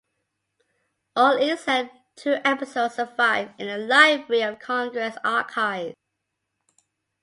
All except two episodes survive in the Library of Congress archives.